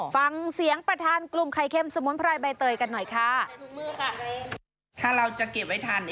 ฟังเสียงประธานกลุ่มไข่เค็มสมุนไพรใบเตยกันหน่อยค่ะ